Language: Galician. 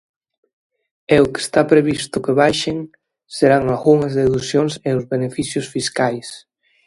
E o que está previsto que baixen serán algunhas deducións e os beneficios fiscais.